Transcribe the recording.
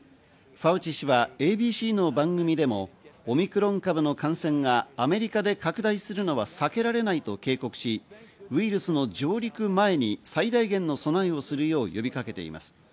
ファウチ氏はＡＢＣの番組でもオミクロン株の感染がアメリカで拡大するのは避けられないと警告し、ウイルスの上陸前に最大限の備えをするよう呼びかけています。